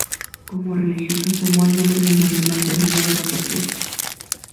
Como religiosa tomó el nombre de María Magdalena de la Pasión.